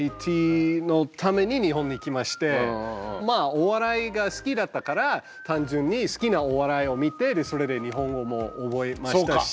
ＩＴのために日本に来ましてまあお笑いが好きだったから単純に好きなお笑いを見てでそれで日本語も覚えましたし。